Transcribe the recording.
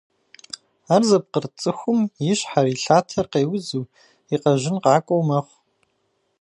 Ар зыпкъырыт цӀыхум и щхьэр, и лъатэр къеузу, и къэжьын къакӀуэу мэхъу.